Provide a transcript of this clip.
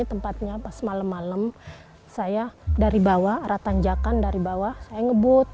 tempatnya pas malam malam saya dari bawah arah tanjakan dari bawah saya ngebut